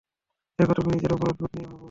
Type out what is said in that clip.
দেখো, তুমি নিজের অপরাধবোধ নিয়ে ভাবো।